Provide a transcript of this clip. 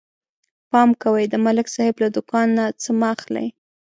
پام کوئ د ملک صاحب له دوکان نه څه مه اخلئ